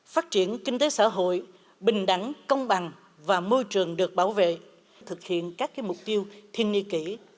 phát triển kinh tế xã hội bình đẳng công bằng và môi trường được bảo vệ thực hiện các mục tiêu thiên nhi kỷ